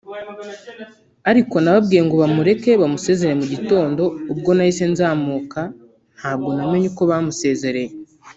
ariko nababwiye ngo bamureke bamusezerere mu gitondo ubwo nahise nzamuka ntabwo namenye uko bamusezereye